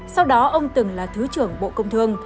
sau đó ông từng là thứ trưởng bộ công thương